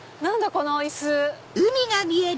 この椅子。